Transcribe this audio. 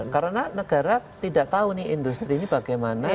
karena negara tidak tahu nih industri ini bagaimana